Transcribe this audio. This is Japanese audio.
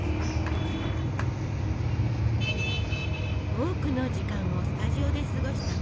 多くの時間をスタジオで過ごしたウォルト。